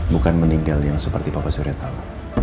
bukan meninggal yang seperti bapak surya tahu